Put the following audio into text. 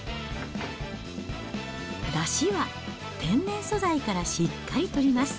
だしは天然素材からしっかりとります。